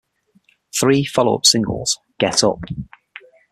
Three follow-up singles, Get Up!